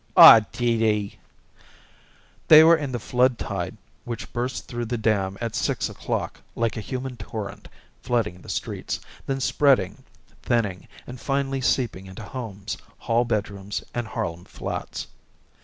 "Aw, Dee Dee!" They were in the flood tide which bursts through the dam at six o'clock like a human torrent flooding the streets, then spreading, thinning, and finally seeping into homes, hall bedrooms, and Harlem flats.